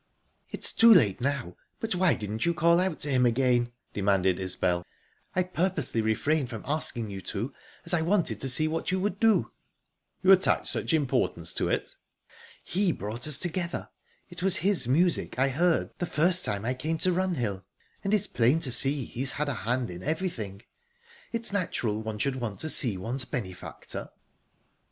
"It's too late now, but why didn't you call out to him again?" demanded Isbel. "I purposely refrained from asking you to, as I wanted to see what you would do." "You attach such importance to it?" "He brought us together. It was his music I heard the first time I came to Runhill, and it's plain to see he's had a hand in everything. It's natural one should want to see one's benefactor."